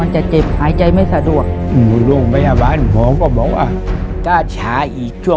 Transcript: จะได้โบนัสกลับไปบ้านเท่าไหร่